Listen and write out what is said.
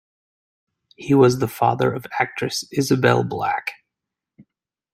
He was the father of actress Isobel Black.